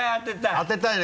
当てたいね